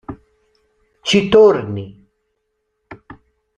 Ci torni!